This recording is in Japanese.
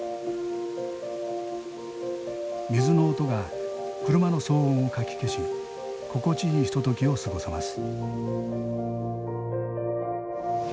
水の音が車の騒音をかき消し心地いいひとときを過ごせます。